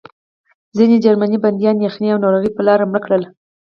ځینې جرمني بندیان یخنۍ او ناروغۍ په لاره مړه کړل